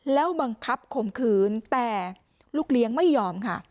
แล้วบังคับข่มขืนแต่ลูกเลี้ยงไม่ยอมค่ะ